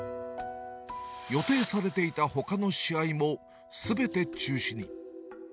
予定されていたほかの試合も、すべて中止に。